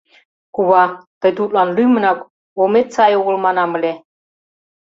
— Кува, тый тудлан лӱмынак омет сай огыл манам ыле.